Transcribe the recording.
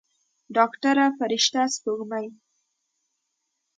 ډاکتره فرشته سپوږمۍ.